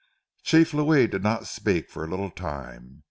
Chief Louis did not speak for a little time.